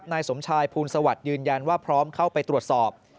นายสมชายภูลสวัสดิ์ยืนยันว่าพร้อมเข้าไปตรวจสอบ